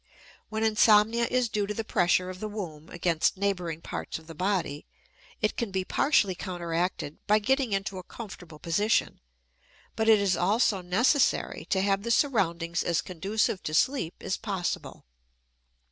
When insomnia is due to the pressure of the womb against neighboring parts of the body, it can be partially counteracted by getting into a comfortable position; but it is also necessary to have the surroundings as conducive to sleep as possible.